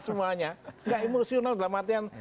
semuanya nggak emosional dalam artian